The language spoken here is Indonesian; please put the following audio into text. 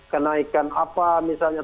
kenaikan apa misalnya